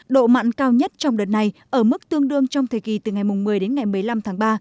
độ mặn cao nhất trong đợt này ở mức tương đương trong thời kỳ từ ngày một mươi đến ngày một mươi năm tháng ba